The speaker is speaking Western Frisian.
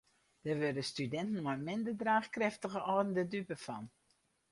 Dêr wurde studinten mei minder draachkrêftige âlden de dupe fan.